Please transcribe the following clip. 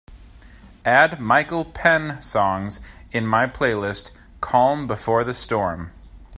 add Michael Penn songs in my playlist Calm before the storm